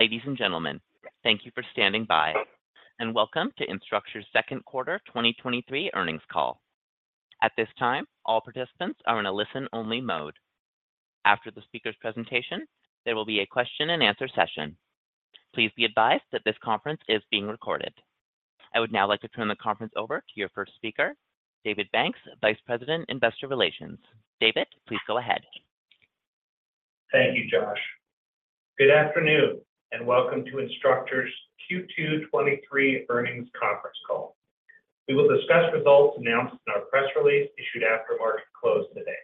Ladies and gentlemen, thank you for standing by, and welcome to Instructure's Second Quarter 2023 Earnings Call. At this time, all participants are in a listen-only mode. After the speaker's presentation, there will be a question and answer session. Please be advised that this conference is being recorded. I would now like to turn the conference over to your first speaker, David Banks, Vice President, Investor Relations. David, please go ahead. Thank you, Josh. Good afternoon, and welcome to Instructure's Q2 2023 Earnings Conference Call. We will discuss results announced in our press release, issued after market close today.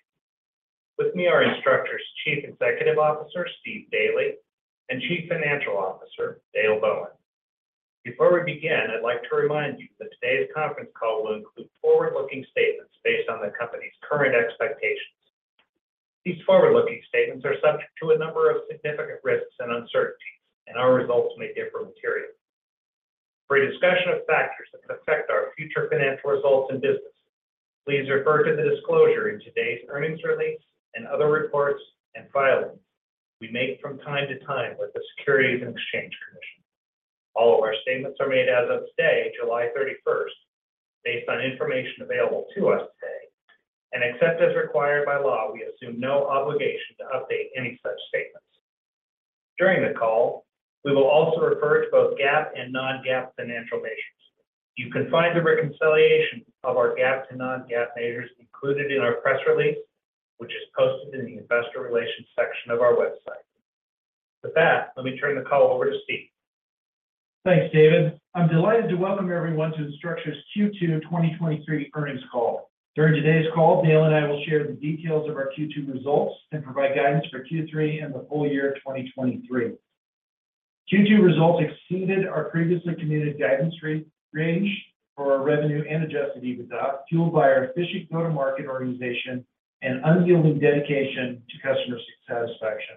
With me are Instructure's Chief Executive Officer, Steve Daly, and Chief Financial Officer, Dale Bowen. Before we begin, I'd like to remind you that today's conference call will include forward-looking statements based on the company's current expectations. These forward-looking statements are subject to a number of significant risks and uncertainties. Our results may differ materially. For a discussion of factors that could affect our future financial results and business, please refer to the disclosure in today's earnings release and other reports and filings we make from time to time with the Securities and Exchange Commission. All of our statements are made as of today, July 31st, based on information available to us today. Except as required by law, we assume no obligation to update any such statements. During the call, we will also refer to both GAAP and non-GAAP financial measures. You can find the reconciliation of our GAAP to non-GAAP measures included in our press release, which is posted in the Investor Relations section of our website. With that, let me turn the call over to Steve. Thanks, David. I'm delighted to welcome everyone to Instructure's Q2 2023 Earnings Call. During today's call, Dale and I will share the details of our Q2 results and provide guidance for Q3 and the full year 2023. Q2 results exceeded our previously committed guidance rate range for our revenue and adjusted EBITDA, fueled by our efficient go-to-market organization and unyielding dedication to customer satisfaction.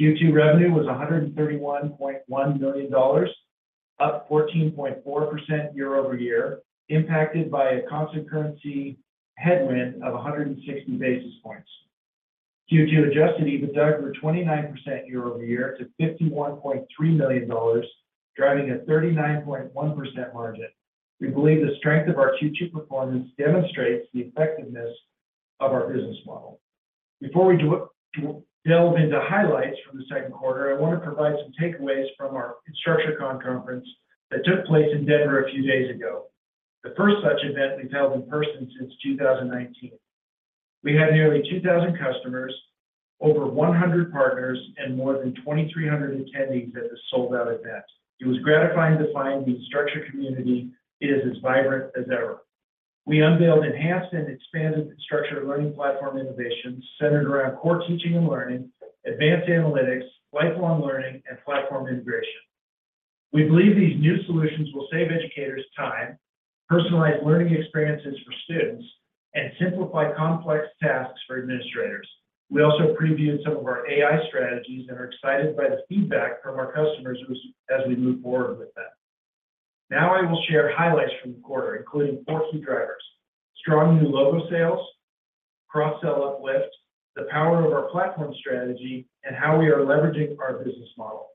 Q2 revenue was $131.1 million, up 14.4% year-over-year, impacted by a constant currency headwind of 160 basis points. Q2 adjusted EBITDA grew 29% year-over-year to $51.3 million, driving a 39.1% margin. We believe the strength of our Q2 performance demonstrates the effectiveness of our business model. Before we delve into highlights from the second quarter, I want to provide some takeaways from our InstructureCon conference that took place in Denver a few days ago, the first such event we've held in person since 2019. We had nearly 2,000 customers, over 100 partners, and more than 2,300 attendees at this sold-out event. It was gratifying to find the Instructure community is as vibrant as ever. We unveiled enhanced and expanded Instructure Learning Platform innovations centered around core teaching and learning, advanced analytics, lifelong learning, and platform integration. We believe these new solutions will save educators time, personalize learning experiences for students, and simplify complex tasks for administrators. We also previewed some of our AI strategies and are excited by the feedback from our customers as we move forward with them. Now, I will share highlights from the quarter, including four key drivers: strong new logo sales, cross-sell uplift, the power of our platform strategy, and how we are leveraging our business model.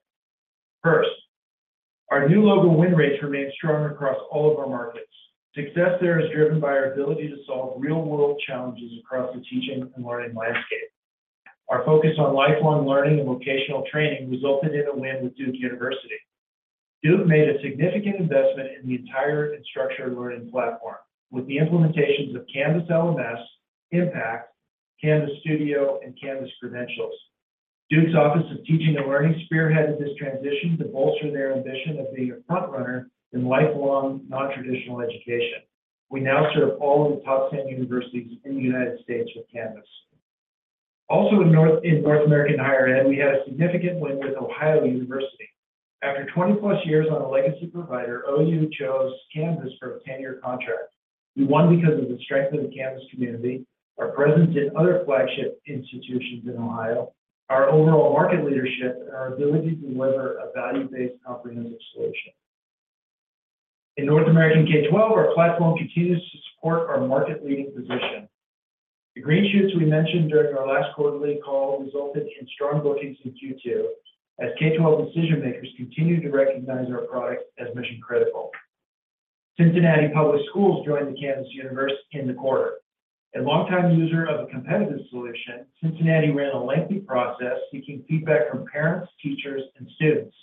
First, our new logo win rates remain strong across all of our markets. Success there is driven by our ability to solve real-world challenges across the teaching and learning landscape. Our focus on lifelong learning and vocational training resulted in a win with Duke University. Duke made a significant investment in the entire Instructure Learning Platform with the implementations of Canvas LMS, Impact, Canvas Studio, and Canvas Credentials. Duke's Office of Teaching and Learning spearheaded this transition to bolster their ambition of being a front runner in lifelong, non-traditional education. We now serve all of the top 10 universities in the United States with Canvas. In North American higher ed, we had a significant win with Ohio University. After 20-plus years on a legacy provider, OU chose Canvas for a 10-year contract. We won because of the strength of the Canvas community, our presence in other flagship institutions in Ohio, our overall market leadership, and our ability to deliver a value-based, comprehensive solution. In North American K-12, our platform continues to support our market-leading position. The green shoots we mentioned during our last quarterly call resulted in strong bookings in Q2, as K-12 decision makers continued to recognize our product as mission-critical. Cincinnati Public Schools joined the Canvas universe in the quarter. A longtime user of a competitive solution, Cincinnati ran a lengthy process, seeking feedback from parents, teachers, and students.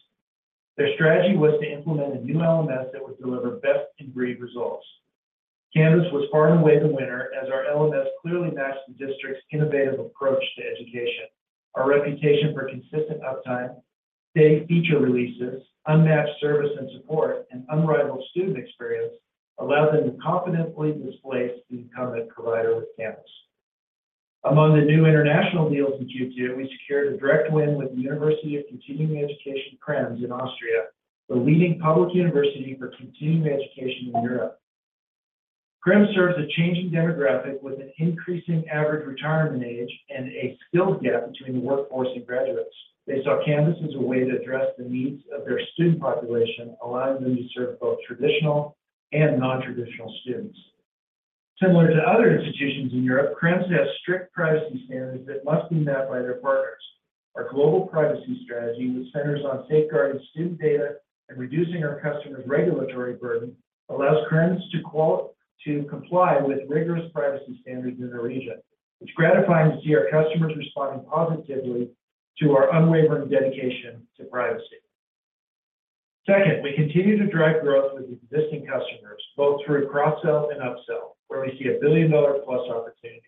Their strategy was to implement a new LMS that would deliver best-in-breed results. Canvas was far and away the winner, as our LMS clearly matched the district's innovative approach to education. Our reputation for consistent uptime, steady feature releases, unmatched service and support, and unrivaled student experience allowed them to confidently displace the incumbent provider with Canvas. Among the new international deals in Q2, we secured a direct win with the University for Continuing Education Krems in Austria, the leading public university for continuing education in Europe. Krems serves a changing demographic with an increasing average retirement age and a skills gap between the workforce and graduates. They saw Canvas as a way to address the needs of their student population, allowing them to serve both traditional and non-traditional students. Similar to other institutions in Europe, France has strict privacy standards that must be met by their partners. Our global privacy strategy, which centers on safeguarding student data and reducing our customers' regulatory burden, allows clients to quote, to comply with rigorous privacy standards in the region. It's gratifying to see our customers responding positively to our unwavering dedication to privacy. We continue to drive growth with existing customers, both through cross-sell and up-sell, where we see a billion-dollar-plus opportunity.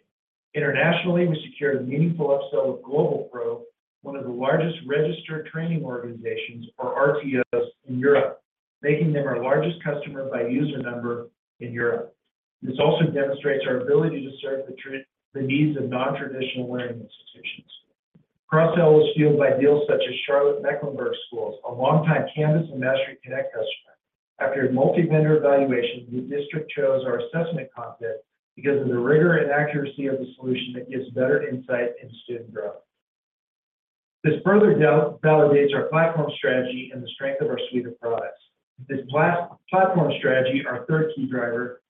Internationally, we secured a meaningful up-sell with Go1 Pro, one of the largest registered training organizations, or RTOs, in Europe, making them our largest customer by user number in Europe. This also demonstrates our ability to serve the needs of non-traditional learning institutions. Cross-sell was fueled by deals such as Charlotte-Mecklenburg Schools, a long-time Canvas and Mastery Connect customer. After a multi-vendor evaluation, the district chose our assessment content because of the rigor and accuracy of the solution that gives better insight into student growth. This further validates our platform strategy and the strength of our suite of products. This platform strategy, our third key driver,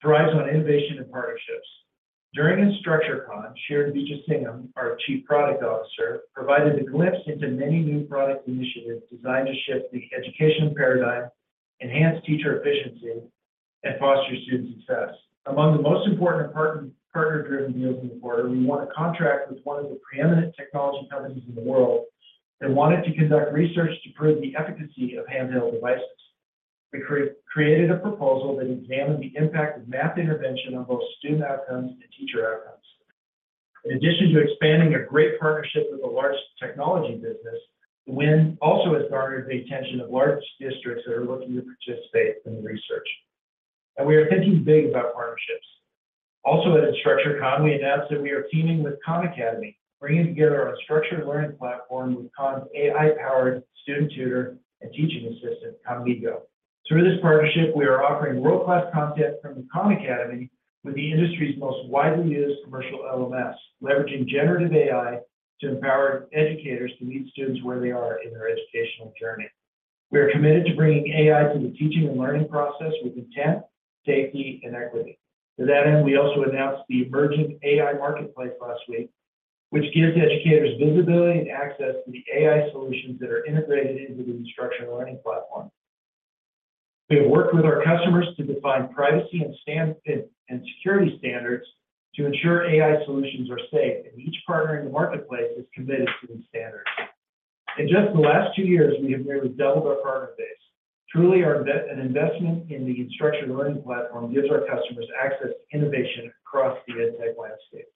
thrives on innovation and partnerships. During InstructureCon, Shiren Vijiasingam, our Chief Product Officer, provided a glimpse into many new product initiatives designed to shift the education paradigm, enhance teacher efficiency, and foster student success. Among the most important partner-driven deals in the quarter, we won a contract with one of the preeminent technology companies in the world that wanted to conduct research to prove the efficacy of handheld devices. We created a proposal that examined the impact of math intervention on both student outcomes and teacher outcomes. In addition to expanding a great partnership with a large technology business, the win also has garnered the attention of large districts that are looking to participate in the research. We are thinking big about partnerships. Also, at InstructureCon, we announced that we are teaming with Khan Academy, bringing together our structured learning platform with Khan's AI-powered student tutor and teaching assistant, Khanmigo. Through this partnership, we are offering world-class content from the Khan Academy with the industry's most widely used commercial LMS, leveraging generative AI to empower educators to meet students where they are in their educational journey. We are committed to bringing AI to the teaching and learning process with intent, safety, and equity. To that end, we also announced the Emerging AI Marketplace last week, which gives educators visibility and access to the AI solutions that are integrated into the Instructure Learning Platform. We have worked with our customers to define privacy and stand, and security standards to ensure AI solutions are safe, and each partner in the marketplace is committed to these standards. In just the last two years, we have nearly doubled our partner base. Truly, our an investment in the Instructure Learning Platform gives our customers access to innovation across the EdTech landscape.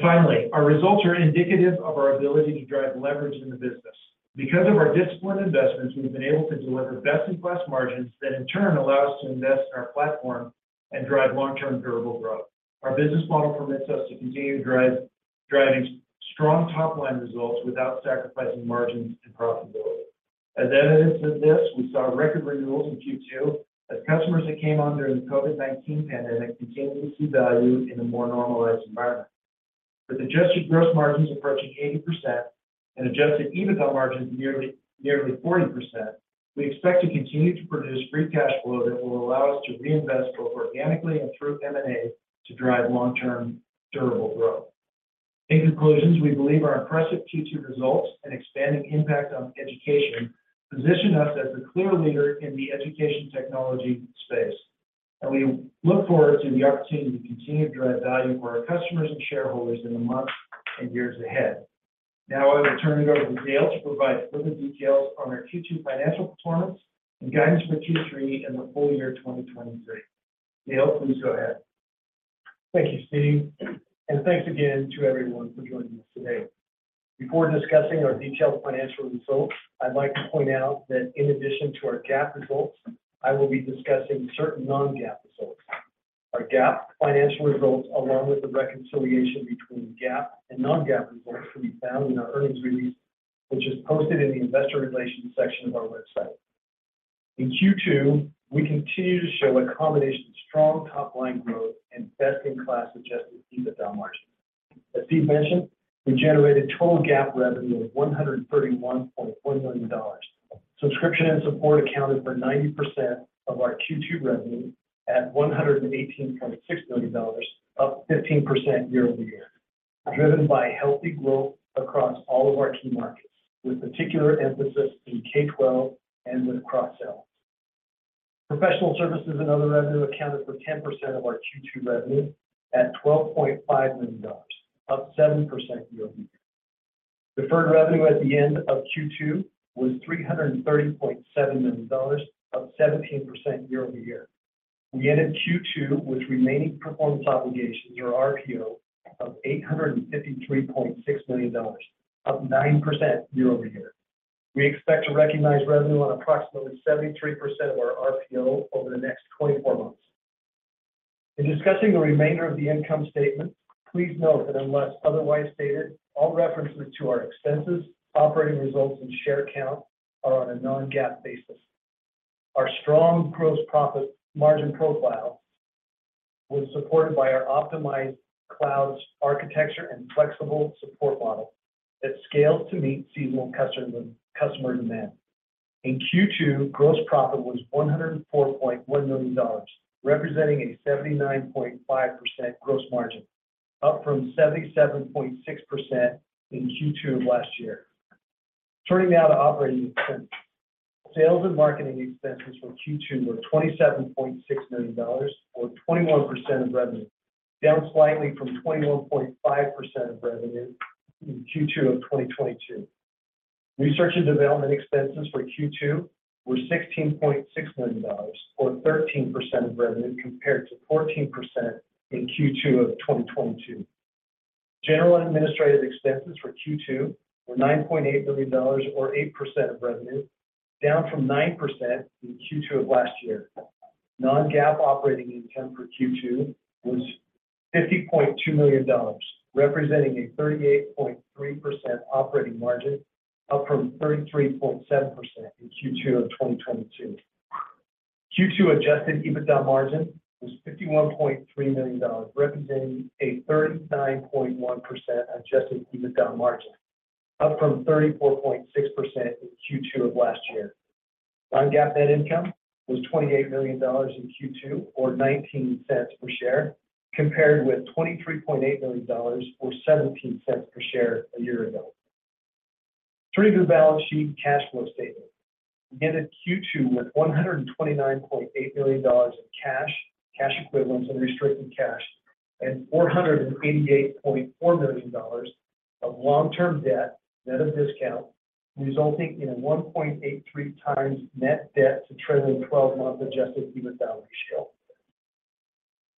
Finally, our results are indicative of our ability to drive leverage in the business. Because of our disciplined investments, we've been able to deliver best-in-class margins that, in turn, allow us to invest in our platform and drive long-term durable growth. Our business model permits us to continue to drive, driving strong top-line results without sacrificing margins and profitability. As evidence of this, we saw record renewals in Q2 as customers that came on during the COVID-19 pandemic continued to see value in a more normalized environment. With adjusted gross margins approaching 80% and adjusted EBITDA margins nearly 40%, we expect to continue to produce free cash flow that will allow us to reinvest, both organically and through M&A, to drive long-term, durable growth. In conclusion, we believe our impressive Q2 results and expanding impact on education position us as the clear leader in the education technology space, and we look forward to the opportunity to continue to drive value for our customers and shareholders in the months and years ahead. Now I will turn it over to Dale to provide further details on our Q2 financial performance and guidance for Q3 and the full year 2023. Dale, please go ahead. Thank you, Steve. Thanks again to everyone for joining us today. Before discussing our detailed financial results, I'd like to point out that in addition to our GAAP results, I will be discussing certain non-GAAP results. Our GAAP financial results, along with the reconciliation between GAAP and non-GAAP results, can be found in our earnings release, which is posted in the Investor Relations section of our website. In Q2, we continued to show a combination of strong top-line growth and best-in-class adjusted EBITDA margins. As Steve mentioned, we generated total GAAP revenue of $131.1 million. Subscription and support accounted for 90% of our Q2 revenue at $118.6 million, up 15% year-over-year, driven by healthy growth across all of our key markets, with particular emphasis in K-12 and with cross-sell. Professional services and other revenue accounted for 10% of our Q2 revenue at $12.5 million, up 7% year-over-year. Deferred revenue at the end of Q2 was $330.7 million, up 17% year-over-year. We ended Q2 with remaining performance obligations, or RPO, of $853.6 million, up 9% year-over-year. We expect to recognize revenue on approximately 73% of our RPO over the next 24 months. In discussing the remainder of the income statement, please note that unless otherwise stated, all references to our expenses, operating results, and share count are on a non-GAAP basis. Our strong gross profit margin profile was supported by our optimized cloud architecture and flexible support model that scales to meet seasonal customer demand. In Q2, gross profit was $104.1 million, representing a 79.5% gross margin, up from 77.6% in Q2 of last year. Turning now to operating expenses. Sales and marketing expenses for Q2 were $27.6 million, or 21% of revenue, down slightly from 21.5% of revenue in Q2 of 2022. Research and development expenses for Q2 were $16.6 million, or 13% of revenue, compared to 14% in Q2 of 2022. General and administrative expenses for Q2 were $9.8 million or 8% of revenue, down from 9% in Q2 of last year. Non-GAAP operating income for Q2 was $50.2 million, representing a 38.3% operating margin, up from 33.7% in Q2 of 2022. Q2 adjusted EBITDA margin was $51.3 million, representing a 39.1% Adjusted EBITDA margin, up from 34.6% in Q2 of last year. Non-GAAP net income was $28 million in Q2, or $0.19 per share, compared with $23.8 million, or $0.17 per share a year ago. Turning to the balance sheet cash flow statement. We ended Q2 with $129.8 million in cash, cash equivalents, and restricted cash, and $488.4 million of long-term debt, net of discount, resulting in a 1.83 times net debt to trailing twelve-month adjusted EBITDA ratio.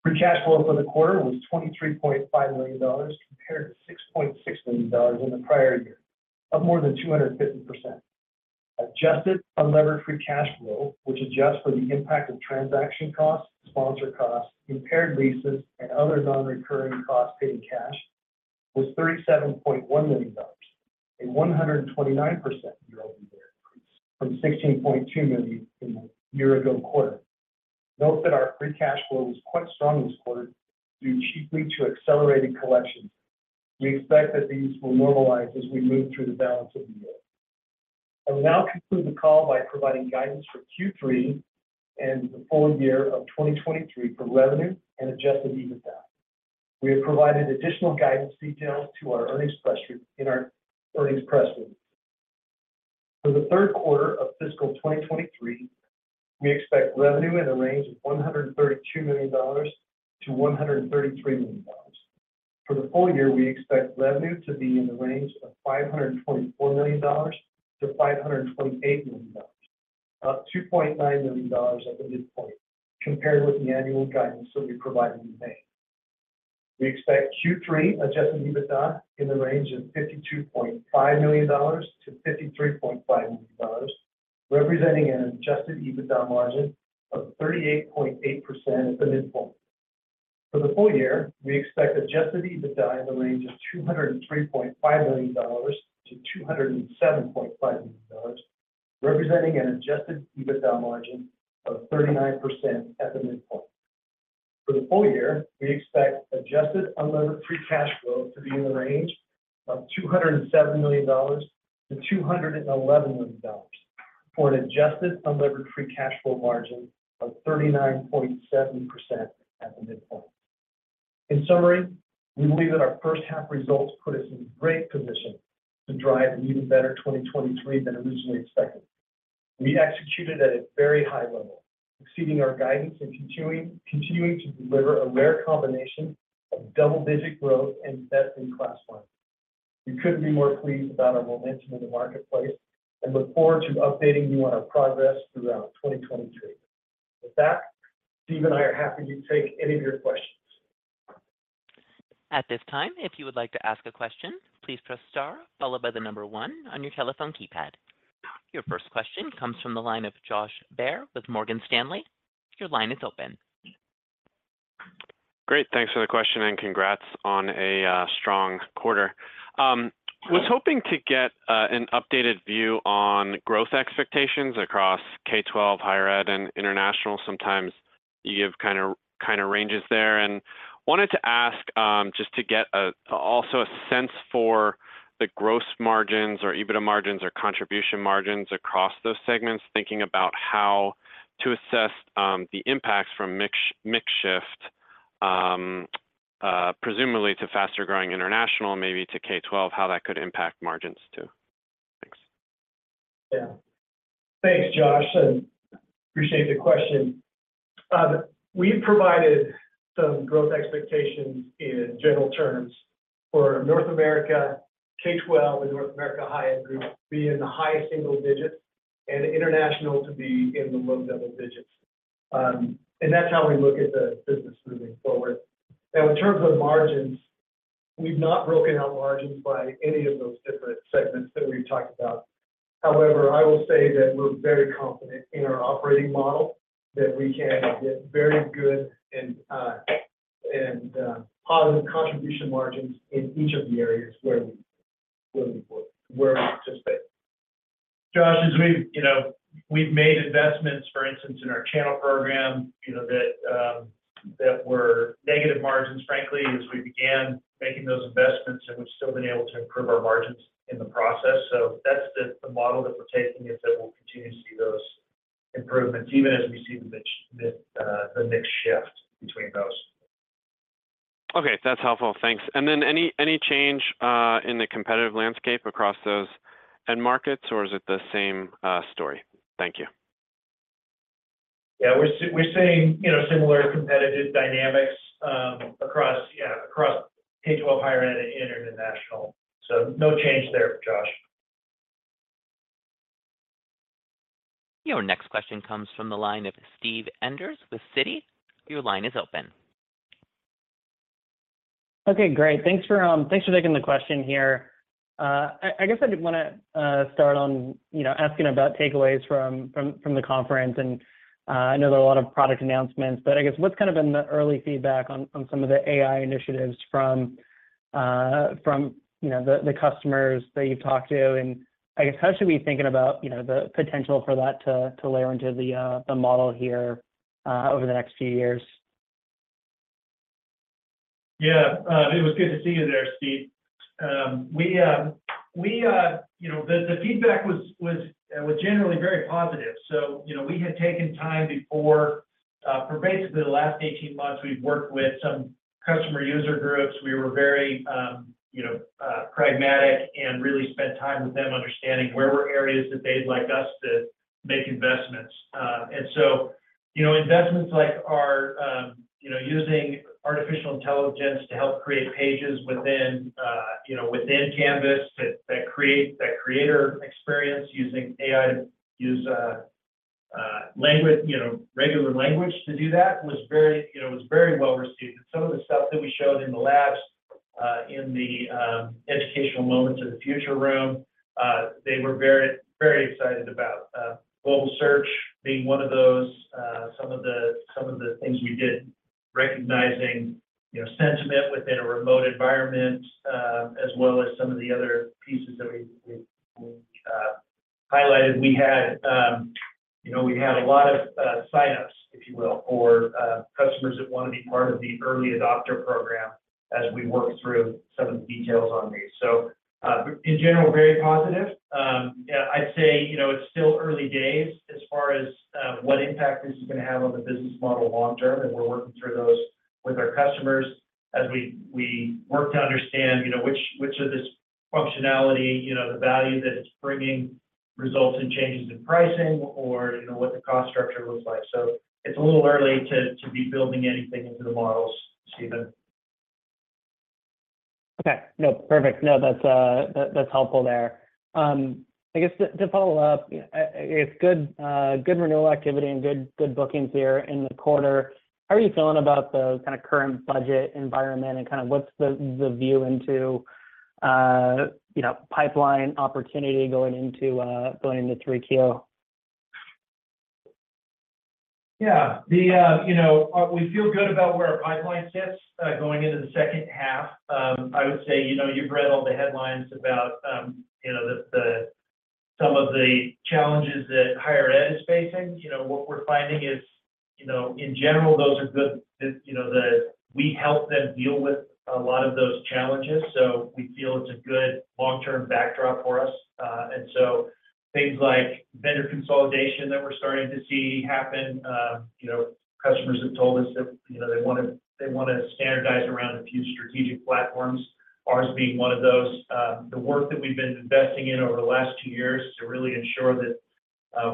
Free cash flow for the quarter was $23.5 million, compared to $6.6 million in the prior year, up more than 250%. Adjusted unlevered free cash flow, which adjusts for the impact of transaction costs, sponsor costs, impaired leases, and other non-recurring costs paid in cash, was $37.1 million, a 129% year-over-year increase from $16.2 million in the year ago quarter. Note that our free cash flow was quite strong this quarter, due chiefly to accelerated collections. We expect that these will normalize as we move through the balance of the year. I will now conclude the call by providing guidance for Q3 and the full year of 2023 for revenue and adjusted EBITDA. We have provided additional guidance details in our earnings press release. For the third quarter of fiscal 2023, we expect revenue in the range of $132 million-$133 million. For the full year, we expect revenue to be in the range of $524 million-$528 million, up $2.9 million at the midpoint compared with the annual guidance that we provided in May. We expect Q3 adjusted EBITDA in the range of $52.5 million-$53.5 million, representing an adjusted EBITDA margin of 38.8% at the midpoint. For the full year, we expect adjusted EBITDA in the range of $203.5 million-$207.5 million, representing an adjusted EBITDA margin of 39% at the midpoint. For the full year, we expect adjusted unlevered free cash flow to be in the range of $207 million-$211 million, for an adjusted unlevered free cash flow margin of 39.7% at the midpoint. In summary, we believe that our first half results put us in great position to drive an even better 2023 than originally expected. We executed at a very high level, exceeding our guidance and continuing to deliver a rare combination of double-digit growth and best-in-class margin. We couldn't be more pleased about our momentum in the marketplace and look forward to updating you on our progress throughout 2023. With that, Steve and I are happy to take any of your questions. At this time, if you would like to ask a question, please press star followed by the number one on your telephone keypad. Your first question comes from the line of Josh Baer with Morgan Stanley. Your line is open. Great, thanks for the question and congrats on a strong quarter. Was hoping to get an updated view on growth expectations across K-12, higher ed, and international. Sometimes you give kinda, kinda ranges there. Wanted to ask, just to get also a sense for the gross margins or EBITDA margins or contribution margins across those segments, thinking about how to assess the impacts from mix, mix shift, presumably to faster-growing international, maybe to K-12, how that could impact margins, too? Thanks. Yeah. Thanks, Josh. Appreciate the question. We've provided some growth expectations in general terms for North America, K-12, and North America higher ed group to be in the high single digits and international to be in the low double digits. That's how we look at the business moving forward. Now, in terms of margins, we've not broken out margins by any of those different segments that we've talked about. However, I will say that we're very confident in our operating model, that we can get very good and positive contribution margins in each of the areas where we participate. Josh, as we've, you know, we've made investments, for instance, in our channel program, you know, that were negative margins, frankly, as we began making those investments, and we've still been able to improve our margins in the process. That's the, the model that we're taking, is that we'll continue to see those improvements even as we see the mix, the mix shift between those. Okay, that's helpful. Thanks. Any, any change in the competitive landscape across those end markets, or is it the same story? Thank you. Yeah, we're we're seeing, you know, similar competitive dynamics, across, yeah, across K-12 higher ed and international. No change there, Josh. Your next question comes from the line of Steve Enders with Citi. Your line is open. Okay, great. Thanks for, thanks for taking the question here. I, I guess I did want to start on, you know, asking about takeaways from, from, from the conference, and I know there are a lot of product announcements, but I guess what's kind of been the early feedback on, on some of the AI initiatives from, from, you know, the, the customers that you've talked to? I guess, how should we be thinking about, you know, the potential for that to, to layer into the model here, over the next few years? Yeah, it was good to see you there, Steve. We, we, you know, the feedback was, was generally very positive. You know, we had taken time before, for basically the last 18 months, we've worked with some customer user groups. We were very, you know, pragmatic and really spent time with them understanding where were areas that they'd like us to make investments. You know, investments like our, you know, using artificial intelligence to help create pages within, you know, within Canvas, that, that create, that creator experience using AI to use language, you know, regular language to do that was very, you know, was very well received. Some of the stuff that we showed in the labs, in the educational moments of the future room, they were very, very excited about global search being one of those, some of the, some of the things we did, recognizing, you know, sentiment within a remote environment, as well as some of the other pieces that we, we highlighted. We had, you know, we had a lot of signups, if you will, for customers that want to be part of the early adopter program as we work through some of the details on these. In general, very positive. Yeah, I'd say, you know, it's still early days as far as what impact this is going to have on the business model long term, and we're working through those with our customers as we, we work to understand, you know, which, which of this functionality, you know, the value that it's bringing results in changes in pricing or, you know, what the cost structure looks like. It's a little early to, to be building anything into the models, Steven. Okay. No, perfect. No, that's that's helpful there. I guess to, to follow up, it's good good renewal activity and good, good bookings here in the quarter. How are you feeling about the current budget environment, and kind of what's the, the view into, you know, pipeline opportunity going into, going into 3Q? Yeah, the, you know, we feel good about where our pipeline sits, going into the second half. I would say, you know, you've read all the headlines about, you know, the, the, some of the challenges that higher ed is facing. You know, what we're finding is, you know, in general, those are good, we help them deal with a lot of those challenges, so we feel it's a good long-term backdrop for us. So things like vendor consolidation that we're starting to see happen, you know, customers have told us that, you know, they wanna, they wanna standardize around a few strategic platforms, ours being one of those. The work that we've been investing in over the last two years to really ensure that,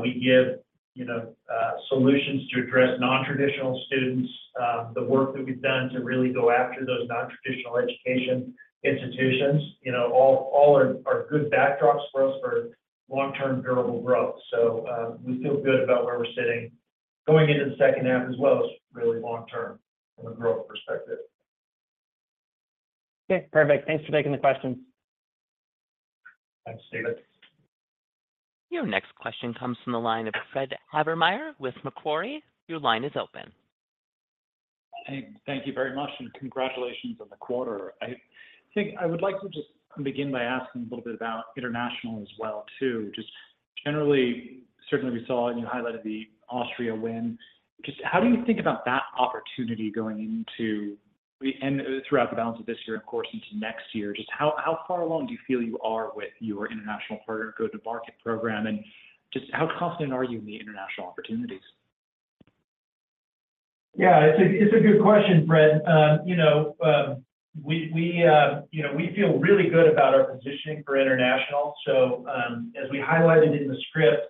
we give, you know, solutions to address non-traditional students, the work that we've done to really go after those non-traditional education institutions, you know, all, all are, are good backdrops for us for long-term, durable growth. We feel good about where we're sitting, going into the second half, as well as really long term from a growth perspective. Okay, perfect. Thanks for taking the question. Thanks, Steven. Your next question comes from the line of Frederick Havemeyer with Macquarie. Your line is open. Hey, thank you very much, and congratulations on the quarter. I think I would like to just begin by asking a little bit about international as well, too. Just generally, certainly we saw, and you highlighted the Austria win. Just how do you think about that opportunity going throughout the balance of this year, of course, into next year? Just how, how far along do you feel you are with your international partner go-to-market program, and just how confident are you in the international opportunities? Yeah, it's a, it's a good question, Fred. you know, we, we, you know, we feel really good about our positioning for international. As we highlighted in the script,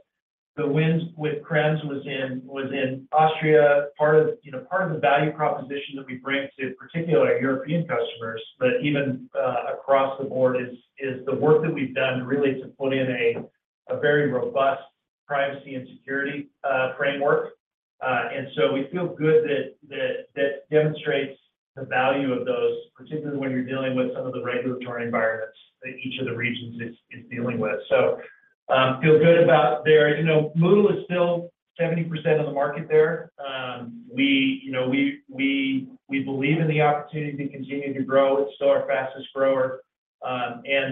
the wins with Krems was in, was in Austria. Part of, you know, part of the value proposition that we bring to, particularly our European customers, but even across the board, is, is the work that we've done really to put in a, a very robust privacy and security framework. We feel good that, that, that demonstrates the value of those, particularly when you're dealing with some of the regulatory environments that each of the regions is, is dealing with. Feel good about there. You know, Moodle is still 70% of the market there. We, you know, we, we, we believe in the opportunity to continue to grow. It's still our fastest grower.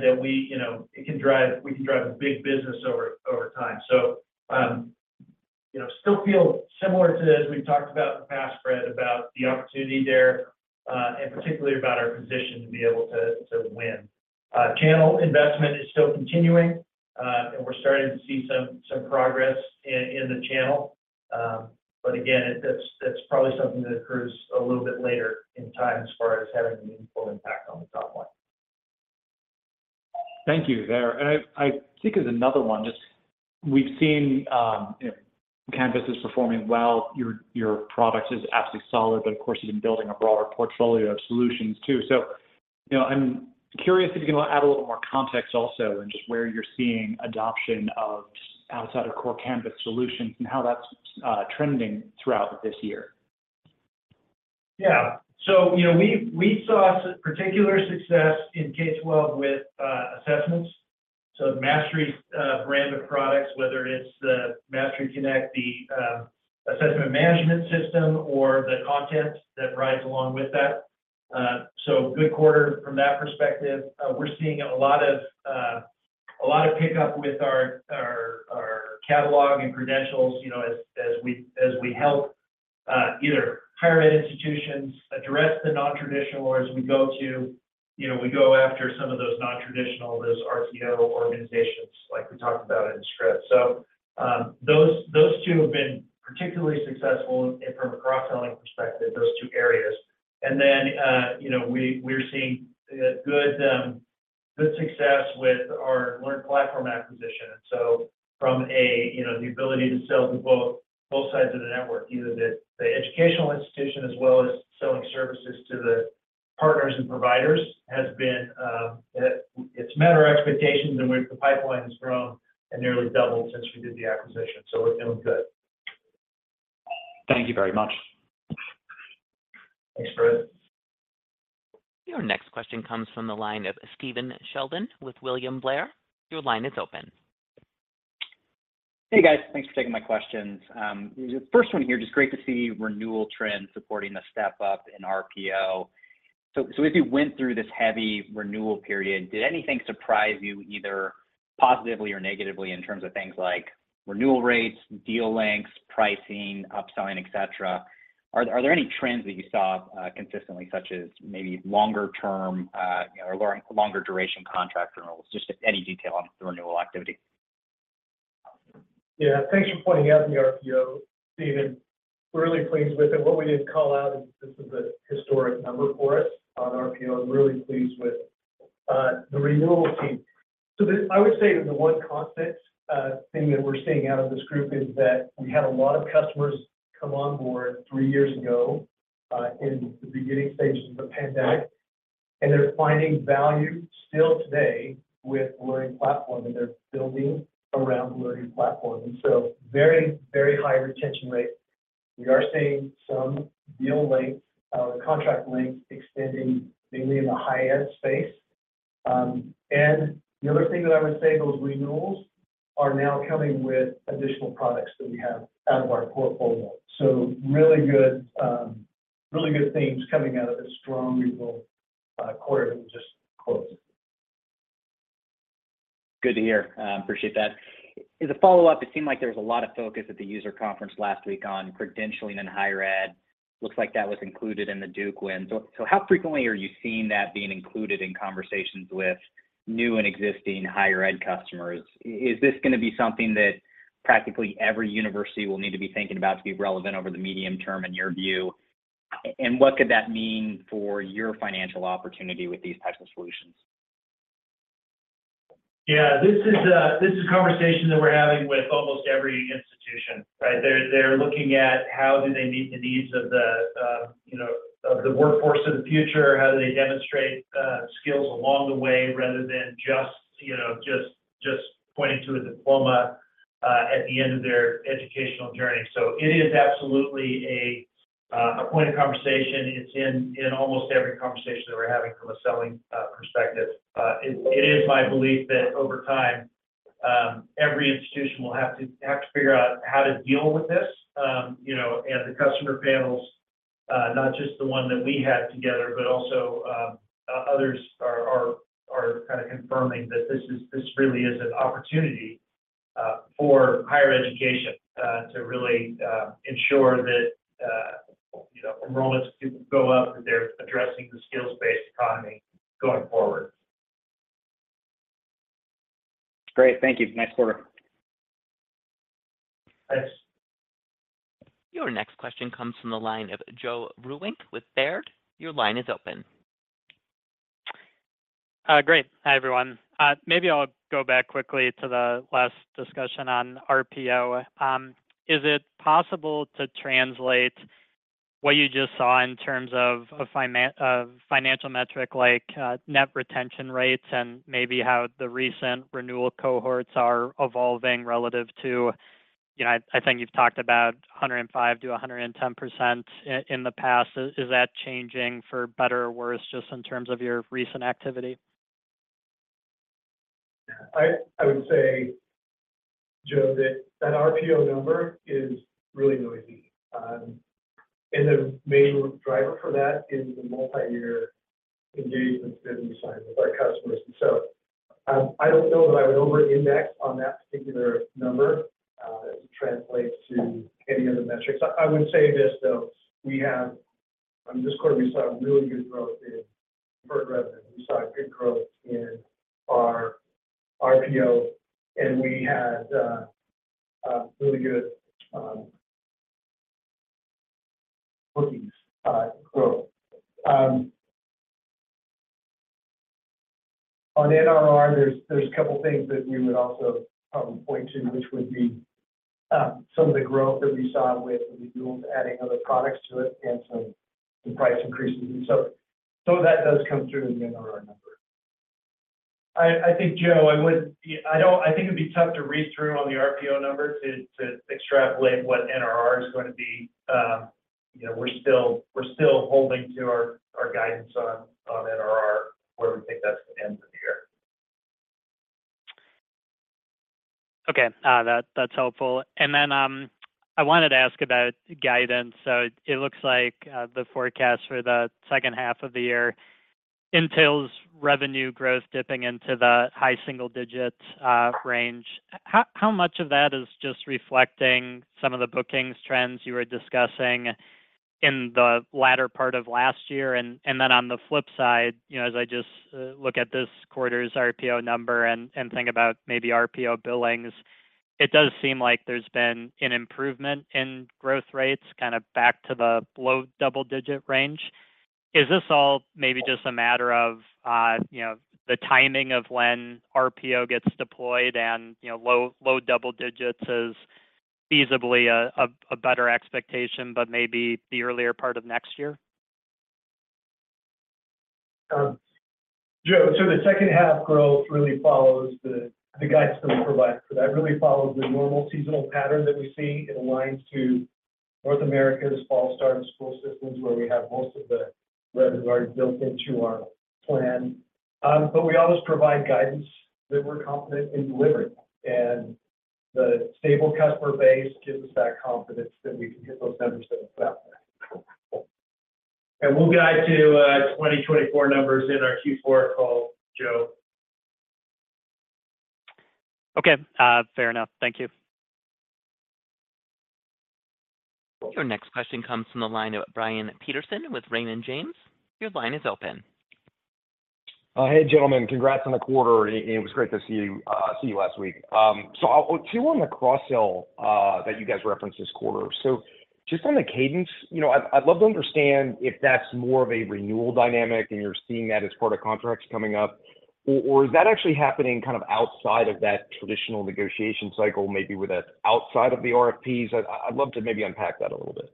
That we, you know, it can drive, we can drive a big business over, over time. You know, still feel similar to as we've talked about in the past, Fred, about the opportunity there, and particularly about our position to be able to, to win. Channel investment is still continuing, and we're starting to see some, some progress in, in the channel. Again, that's, that's probably something that occurs a little bit later in time as far as having a meaningful impact on the top line. Thank you there. I, I think there's another one. Just we've seen, you know, Canvas is performing well, your, your product is absolutely solid, but of course, you've been building a broader portfolio of solutions too. You know, I'm curious if you can add a little more context also on just where you're seeing adoption of outside of core Canvas solutions and how that's trending throughout this year? Yeah, you know, we, we saw particular success in K-12 with assessments. The Mastery brand of products, whether it's the Mastery Connect, the Assessment Management System or the content that rides along with that. Good quarter from that perspective. We're seeing a lot of a lot of pickup with our Canvas Catalog and Canvas Credentials, you know, as, as we, as we help either higher ed institutions address the nontraditional or as we go, you know, we go after some of those nontraditional, those RPO organizations like we talked about in Script. Those, those two have been particularly successful from a cross-selling perspective, those two areas. You know, we're seeing a good good success with our LearnPlatform acquisition. From a, you know, the ability to sell to both, both sides of the network, either the, the educational institution as well as selling services to the partners and providers, has been, it's met our expectations, and the pipeline has grown and nearly doubled since we did the acquisition. We're feeling good. Thank you very much. Thanks, Fred. Your next question comes from the line of Stephen Sheldon with William Blair. Your line is open. Hey, guys. Thanks for taking my questions. The first one here, just great to see renewal trends supporting the step up in RPO. So as you went through this heavy renewal period, did anything surprise you, either positively or negatively, in terms of things like renewal rates, deal lengths, pricing, upselling, et cetera? Are there any trends that you saw consistently, such as maybe longer term, you know, or longer duration contract renewals? Just any detail on the renewal activity. Yeah. Thanks for pointing out the RPO, Steven. We're really pleased with it. What we didn't call out is this is a historic number for us on RPO. I'm really pleased with the renewal team. This, I would say that the one constant thing that we're seeing out of this group is that we had a lot of customers come on board three years ago in the beginning stages of the pandemic, and they're finding value still today with Learning Platform, and they're building around Learning Platform. Very, very high retention rate. We are seeing some deal length, contract length extending mainly in the high-end space. The other thing that I would say, those renewals are now coming with additional products that we have out of our portfolio. Really good, really good things coming out of this strong renewal, quarter that we just closed. Good to hear. Appreciate that. As a follow-up, it seemed like there was a lot of focus at the user conference last week on credentialing in higher ed. Looks like that was included in the Duke win. How frequently are you seeing that being included in conversations with new and existing higher ed customers? Is this gonna be something that practically every university will need to be thinking about to be relevant over the medium term, in your view? What could that mean for your financial opportunity with these types of solutions? Yeah, this is, this is a conversation that we're having with almost every institution, right? They're, they're looking at how do they meet the needs of the, you know, of the workforce of the future, how do they demonstrate, skills along the way, rather than just, you know, just, just pointing to a diploma, at the end of their educational journey. It is absolutely a, a point of conversation. It's in, in almost every conversation that we're having from a selling, perspective. It, it is my belief that over time, every institution will have to, have to figure out how to deal with this. You know, and the customer panels, not just the one that we had together, but also, others are kind of confirming that this really is an opportunity for higher education to really ensure that, you know, enrollment students go up as they're addressing the skills-based economy going forward. Great. Thank you. Nice quarter. Thanks. Your next question comes from the line of Joe Vruwink with Baird. Your line is open. Great. Hi, everyone. Maybe I'll go back quickly to the last discussion on RPO. Is it possible to translate what you just saw in terms of financial metric, like net retention rates and maybe how the recent renewal cohorts are evolving relative to, you know, I, I think you've talked about 105%-110% in the past. Is that changing for better or worse, just in terms of your recent activity? I, I would say, Joe Vruwink, that that RPO number is really noisy. And the main driver for that is the multi-year engagements that we sign with our customers. I don't know that I would overindex on that particular number as it translates to any of the metrics. I, I would say this, though: we have, this quarter, we saw really good growth in per resident. We saw good growth in our RPO, and we had a really good bookings growth. On NRR, there's, there's a couple things that we would also point to, which would be some of the growth that we saw with renewals, adding other products to it, and some, some price increases. Some of that does come through in the NRR number. I, I think, Joe Vruwink, I would-- I don't. I think it'd be tough to read through on the RPO number to, to extrapolate what NRR is going to be. You know, we're still, we're still holding to our, our guidance on, on NRR, where we think that's going to end the year. Okay. That, that's helpful. Then, I wanted to ask about guidance. It looks like the forecast for the second half of the year entails revenue growth dipping into the high single-digit range. How, how much of that is just reflecting some of the bookings trends you were discussing in the latter part of last year? Then on the flip side, you know, as I just look at this quarter's RPO number and, and think about maybe RPO billings, it does seem like there's been an improvement in growth rates, kind of back to the low double-digit range. Is this all maybe just a matter of, you know, the timing of when RPO gets deployed and, you know, low double digits is feasibly a, a, a better expectation, but maybe the earlier part of next year? Joe, the second-half growth really follows the, the guidance that we provided for that. It really follows the normal seasonal pattern that we see. It aligns to North America's fall start of school systems, where we have most of the reservoir built into our plan. We always provide guidance that we're confident in delivering, and the stable customer base gives us that confidence that we can hit those numbers that we set. We'll guide to 2024 numbers in our Q4 call, Joe. Okay, fair enough. Thank you. Your next question comes from the line of Brian Peterson with Raymond James. Your line is open. Hey, gentlemen. Congrats on the quarter. It, it was great to see you, see you last week. Two on the cross-sell that you guys referenced this quarter. Just on the cadence, you know, I'd, I'd love to understand if that's more of a renewal dynamic, and you're seeing that as part of contracts coming up, or, or is that actually happening kind of outside of that traditional negotiation cycle, maybe with that outside of the RFPs? I, I'd love to maybe unpack that a little bit.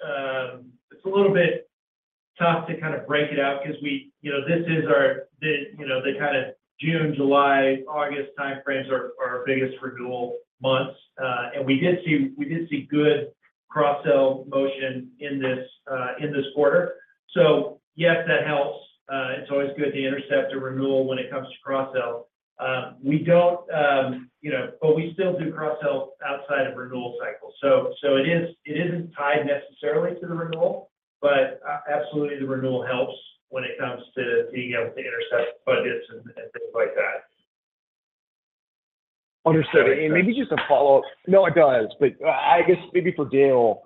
Yeah, you know, Brian, I mean, it's a little bit tough to kind of break it out because we, you know, this is our, you know, the kind of June, July, August time frames are our biggest renewal months. We did see good cross-sell motion in this quarter. Yes, that helps. It's always good to intercept a renewal when it comes to cross-sell. We don't, you know, we still do cross-sell outside of renewal cycles. It is, it isn't tied necessarily to the renewal, but absolutely, the renewal helps when it comes to being able to intercept budgets and things like that. Understood. Maybe just a follow-up. No, it does, but I guess maybe for Dale.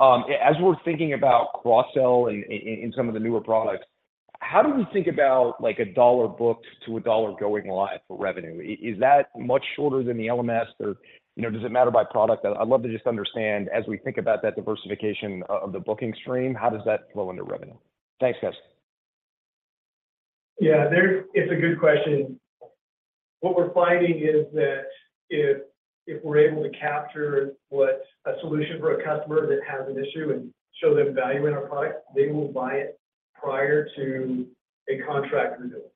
As we're thinking about cross-sell in, in, in some of the newer products, how do we think about, like, a dollar booked to a dollar going live for revenue? Is, is that much shorter than the LMS or, you know, does it matter by product? I'd love to just understand, as we think about that diversification of, of the booking stream, how does that flow into revenue? Thanks, guys. Yeah, there's it's a good question. What we're finding is that if, if we're able to capture what a solution for a customer that has an issue and show them value in our product, they will buy it prior to a contract renewal.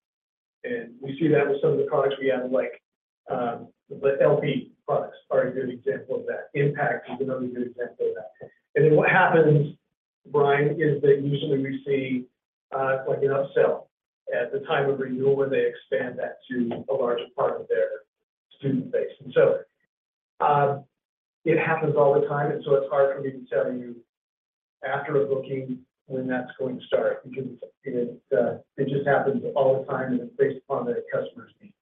We see that with some of the products we have, like, the LP products are a good example of that. Impact is another good example of that. Then what happens, Brian, is that usually we see, like an upsell at the time of renewal, where they expand that to a larger part of their student base. So it happens all the time, and so it's hard for me to tell you after a booking when that's going to start, because it, it just happens all the time, and it's based upon the customer's needs.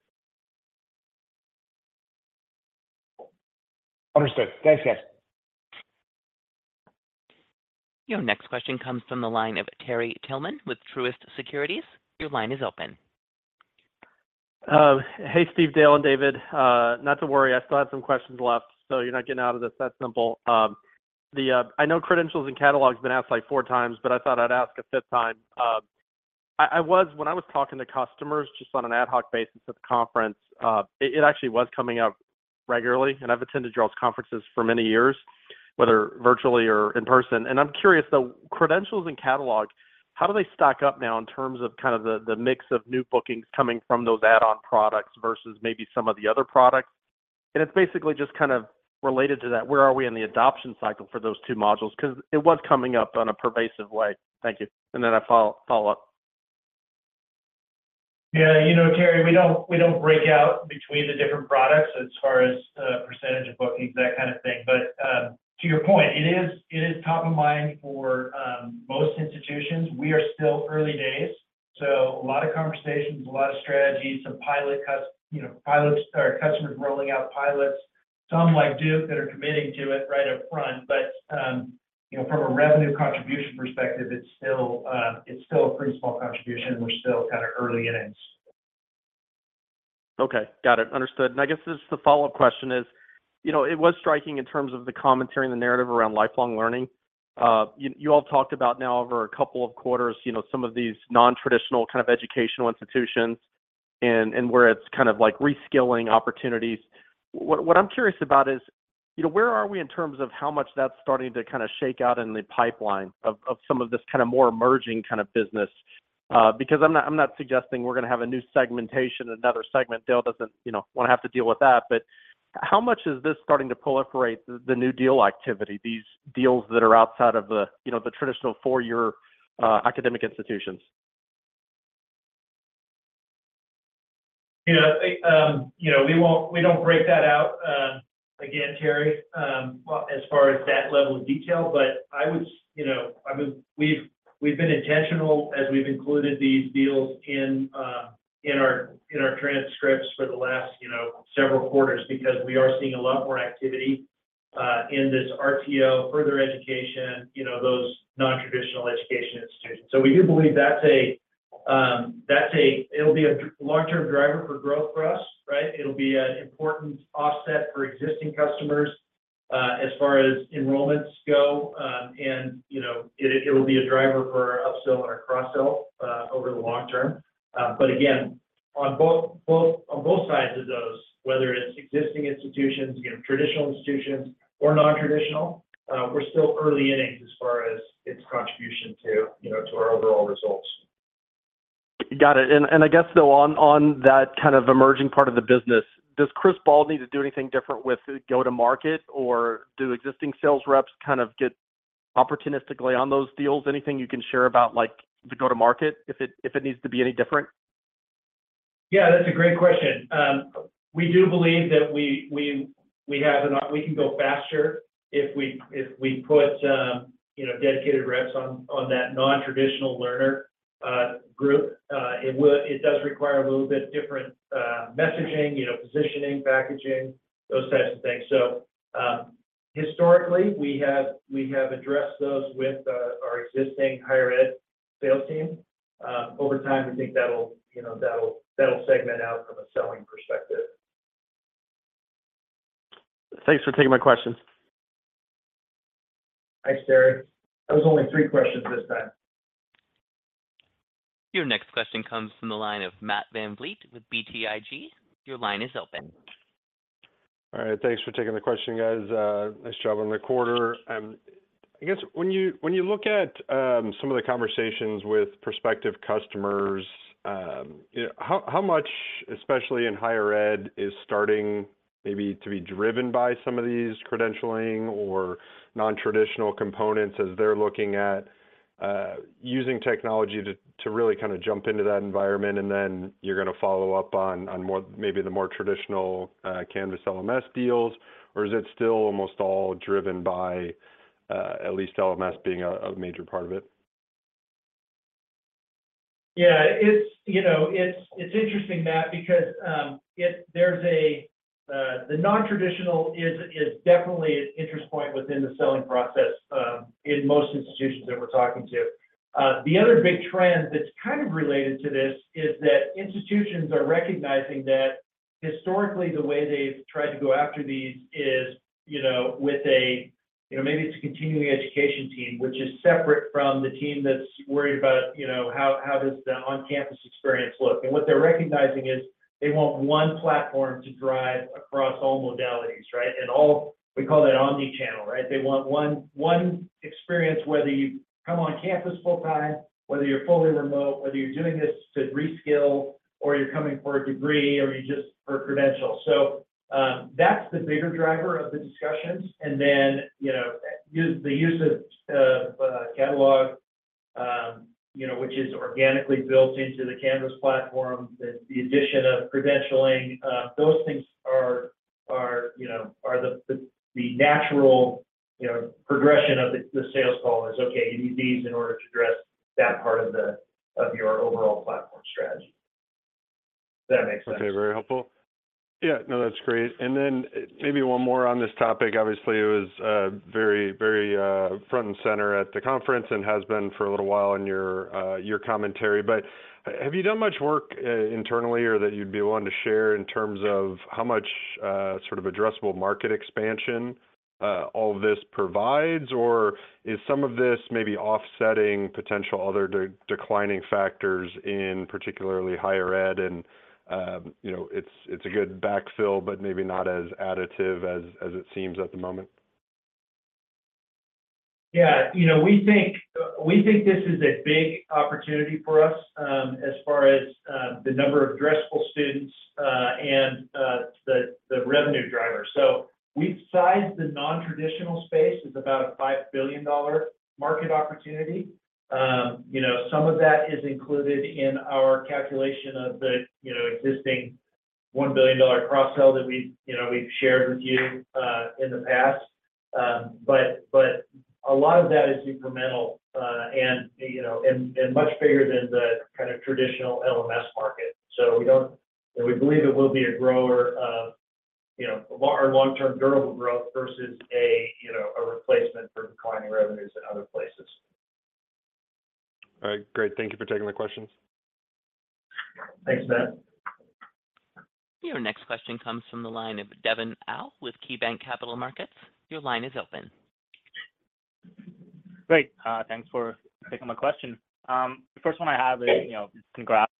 Understood. Thanks, guys. Your next question comes from the line of Terry Tillman with Truist Securities. Your line is open. Hey, Steve, Dale, and David. Not to worry, I still have some questions left, so you're not getting out of this that simple. The, I know Canvas Credentials and Canvas Catalog's been asked, like, four times, but I thought I'd ask a fifth time. When I was talking to customers just on an ad hoc basis at InstructureCon, it actually was coming up regularly, and I've attended y'all's conferences for many years, whether virtually or in person. I'm curious, though, Canvas Credentials and Canvas Catalog, how do they stack up now in terms of kind of the, the mix of new bookings coming from those add-on products versus maybe some of the other products? It's basically just kind of related to that. Where are we in the adoption cycle for those two modules? 'Cause it was coming up on a pervasive way. Thank you, and then I follow up. Yeah, you know, Terry, we don't, we don't break out between the different products as far as percentage of bookings, that kind of thing. To your point, it is, it is top of mind for most institutions. We are still early days, so a lot of conversations, a lot of strategies, some pilot, you know, pilots or customers rolling out pilots. Some, like Duke, that are committing to it right up front. You know, from a revenue contribution perspective, it's still, it's still a pretty small contribution, and we're still kinda early innings. Okay. Got it. Understood. I guess this is the follow-up question is, you know, it was striking in terms of the commentary and the narrative around lifelong learning. You, you all talked about now over two quarters, you know, some of these non-traditional kind of educational institutions and, and where it's kind of like reskilling opportunities. What, what I'm curious about is, you know, where are we in terms of how much that's starting to kinda shake out in the pipeline of, of some of this kind of more emerging kind of business? Because I'm not, I'm not suggesting we're gonna have a new segmentation, another segment. Dale doesn't, you know, wanna have to deal with that, but how much is this starting to proliferate the, the new deal activity, these deals that are outside of the, you know, the traditional four-year academic institutions? Yeah, I, you know, we don't break that out again, Terry, well, as far as that level of detail. I would, you know, I would, we've been intentional as we've included these deals in our, in our transcripts for the last, you know, several quarters because we are seeing a lot more activity in this RTO further education, you know, those non-traditional education institutions. We do believe that's a, it'll be a long-term driver for growth for us, right? It'll be an important offset for existing customers as far as enrollments go. You know, it will be a driver for our upsell and our cross-sell over the long term. Again, on both, both, on both sides of those, whether it's existing institutions, you know, traditional institutions or non-traditional, we're still early innings as far as its contribution to, you know, to our overall results. Got it. I guess, though, on, on that kind of emerging part of the business, does Chris Ball need to do anything different with go-to-market, or do existing sales reps kind of get opportunistically on those deals? Anything you can share about, like, the go-to-market, if it, if it needs to be any different? Yeah, that's a great question. We do believe that we, we, we can go faster if we, if we put, you know, dedicated reps on, on that non-traditional learner group. It does require a little bit different messaging, you know, positioning, packaging, those types of things. Historically, we have, we have addressed those with our existing higher ed sales team. Over time, I think that'll, you know, that'll, that'll segment out from a selling perspective. Thanks for taking my questions. Thanks, Terry. That was only three questions this time. Your next question comes from the line of Matt VanVliet with BTIG. Your line is open. All right. Thanks for taking the question, guys. Nice job on the quarter. I guess when you, when you look at, some of the conversations with prospective customers, you know, how, how much, especially in higher ed, is starting maybe to be driven by some of these credentialing or non-traditional components as they're looking at, using technology to, to really kinda jump into that environment, and then you're gonna follow up on, on more, maybe the more traditional, Canvas LMS deals? Is it still almost all driven by, at least LMS being a, a major part of it? Yeah, it's, you know, it's, it's interesting, Matt, because there's a, the non-traditional is, is definitely an interest point within the selling process, in most institutions that we're talking to. The other big trend that's kind of related to this is that institutions are recognizing that historically, the way they've tried to go after these is, you know, with a, you know, maybe it's a continuing education team, which is separate from the team that's worried about, you know, how, how does the on-campus experience look? What they're recognizing is they want one platform to drive across all modalities, right? We call that omnichannel, right? They want one, one experience, whether you come on campus full time, whether you're fully remote, whether you're doing this to reskill, or you're coming for a degree, or you're just for a credential. That's the bigger driver of the discussions. You know, the use of Catalog, you know, which is organically built into the Canvas platform, the, the addition of Credentialing, those things are, are, you know, are the, the, the natural, you know, progression of the, the sales call is, okay, you need these in order to address that part of the- of your overall platform strategy. Does that make sense? Okay, very helpful. Yeah, no, that's great. Then maybe one more on this topic. Obviously, it was very, very front and center at the conference and has been for a little while in your your commentary. Have you done much work internally or that you'd be willing to share in terms of how much sort of addressable market expansion all of this provides? Is some of this maybe offsetting potential other declining factors in particularly higher ed, and, you know, it's, it's a good backfill, but maybe not as additive as, as it seems at the moment? Yeah, you know, we think, we think this is a big opportunity for us, as far as the number of addressable students, and the revenue driver. We've sized the non-traditional space as about a $5 billion market opportunity. You know, some of that is included in our calculation of the, you know, existing $1 billion cross-sell that we've, you know, we've shared with you, in the past. But, but a lot of that is incremental, and, you know, and, and much bigger than the kind of traditional LMS market. We believe it will be a grower of, you know, our long-term durable growth versus a, you know, a replacement for declining revenues in other places. All right, great. Thank you for taking my questions. Thanks, Matt. Your next question comes from the line of Devin Au with KeyBanc Capital Markets. Your line is open. Great. Thanks for taking my question. The first one I have is, you know, congrats,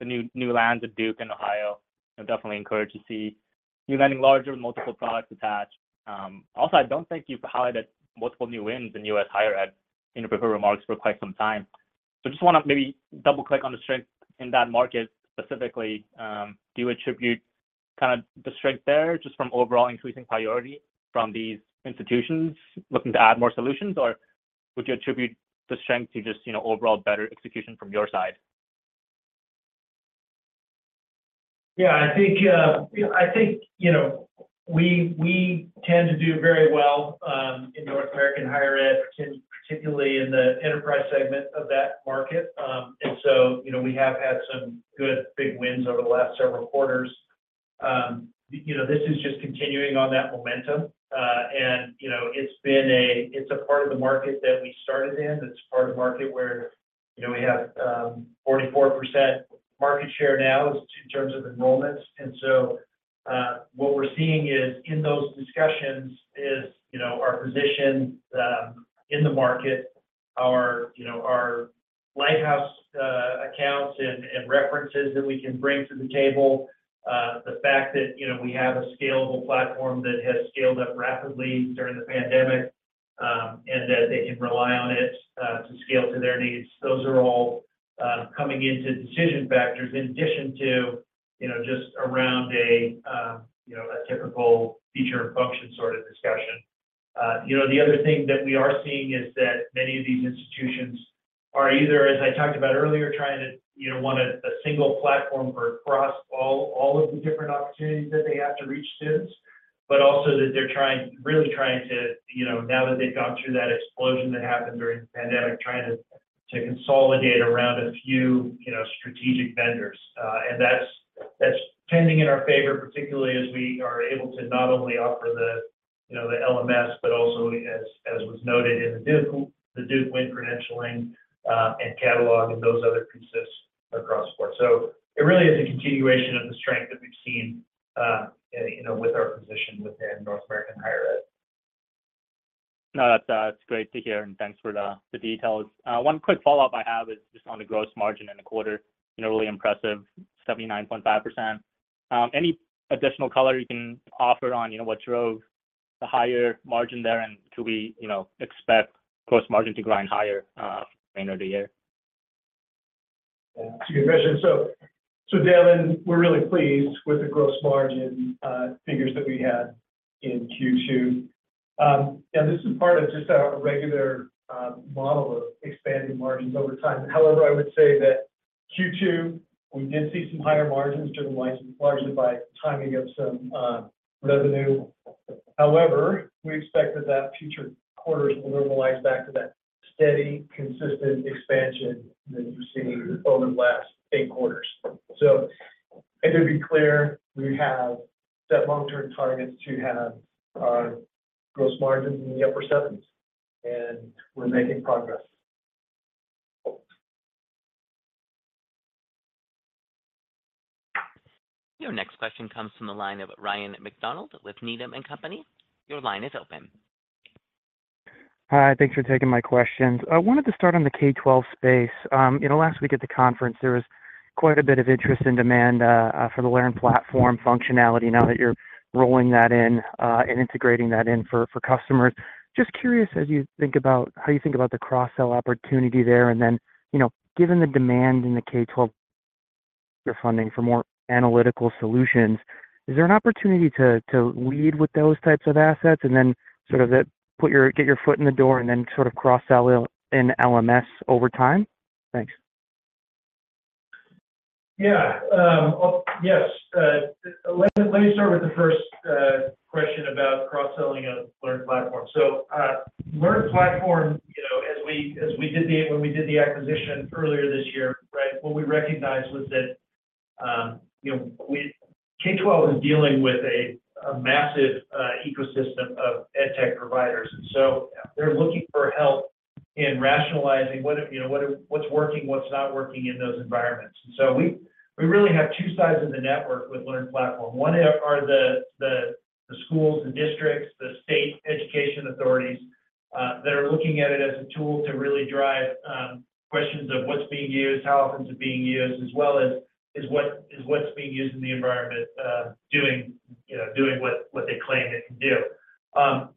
the new, new lands of Duke and Ohio. I'm definitely encouraged to see you landing larger with multiple products attached. Also, I don't think you've highlighted multiple new wins in U.S. higher ed in your prepared remarks for quite some time. Just want to maybe double-click on the strength in that market specifically, do you attribute kind of the strength there just from overall increasing priority from these institutions looking to add more solutions? Or would you attribute the strength to just, you know, overall better execution from your side? Yeah, I think, I think, you know, we, we tend to do very well, in North American higher ed, particularly in the enterprise segment of that market. You know, we have had some good, big wins over the last several quarters. You know, it's been it's a part of the market that we started in. It's a part of the market where, you know, we have 44% market share now in terms of enrollments. What we're seeing is in those discussions is, you know, our position in the market, our, you know, our lighthouse accounts and, and references that we can bring to the table. The fact that, you know, we have a scalable platform that has scaled up rapidly during the pandemic, and that they can rely on it to scale to their needs. Those are all coming into decision factors in addition to, you know, just around a, you know, a typical feature and function sort of discussion. You know, the other thing that we are seeing is that many of these institutions are either, as I talked about earlier, trying to, you know, want a single platform for across all, all of the different opportunities that they have to reach students, but also that they're trying, really trying to, you know, now that they've gone through that explosion that happened during the pandemic, trying to consolidate around a few, you know, strategic vendors. That's, that's tending in our favor, particularly as we are able to not only offer the, you know, the LMS, but also as, as was noted in the Duke, the Duke win credentialing, and catalog and those other pieces across the board. It really is a continuation of the strength that we've seen, you know, with our position within North American higher ed. No, that's great to hear, thanks for the details. One quick follow-up I have is just on the gross margin in the quarter, you know, really impressive, 79.5%. Any additional color you can offer on, you know, what drove the higher margin there? Could we, you know, expect gross margin to grind higher later the year? Yeah. Devin, we're really pleased with the gross margin figures that we had in Q2. This is part of just our regular model of expanding margins over time. However, I would say that Q2, we did see some higher margins driven license, largely by timing of some revenue. However, we expect that that future quarters will normalize back to that steady, consistent expansion that you've seen over the last eight quarters. And to be clear, we have set long-term targets to have our gross margins in the upper 70s, and we're making progress. Your next question comes from the line of Ryan MacDonald with Needham & Company. Your line is open. Hi, thanks for taking my questions. I wanted to start on the K-12 space. You know, last week at the conference, there was quite a bit of interest and demand for the LearnPlatform functionality, now that you're rolling that in and integrating that in for, for customers. Just curious, as you think about how you think about the cross-sell opportunity there, and then, you know, given the demand in the K-12, your funding for more analytical solutions, is there an opportunity to, to lead with those types of assets and then sort of put your, get your foot in the door and then sort of cross-sell in LMS over time? Thanks. Yeah, yes. Let me start with the first question about cross-selling of LearnPlatform. LearnPlatform, you know, as we, as we did when we did the acquisition earlier this year, right, what we recognized was that, you know, K-12 is dealing with a massive ecosystem of EdTech providers. They're looking for help in rationalizing what, you know, what's working, what's not working in those environments. We really have two sides of the network with LearnPlatform. One are the, the, the schools, the districts, the state education authorities that are looking at it as a tool to really drive questions of what's being used, how often it's being used, as well as, is what, is what's being used in the environment doing, you know, doing what, what they claim it can do.